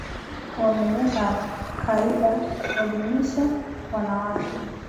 Wameiweka kaida, wadumisha wanawake